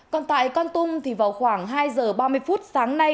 còn tại con tung thì vào khoảng hai h ba mươi sáng nay